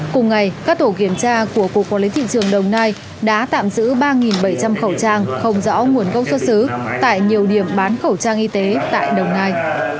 cùng ngày các tổ kiểm tra của cục quản lý thị trường đồng nai đã tạm giữ ba bảy trăm linh khẩu trang không rõ nguồn gốc xuất xứ tại nhiều điểm bán khẩu trang y tế tại đồng nai